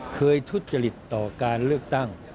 ทุจริตต่อการเลือกตั้ง